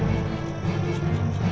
tidak ada satu